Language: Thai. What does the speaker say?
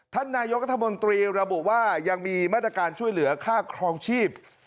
ท่านนายกรัฐมนตรีระบุว่ายังมีมาตรการช่วยเหลือค่าครองชีพ